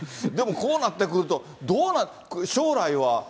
でも、こうなってくると、どうなるの、将来は。